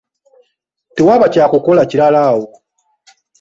Tewaba kya kukola kirala awo.